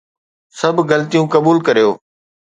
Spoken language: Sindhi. سڀ غلطيون قبول ڪريو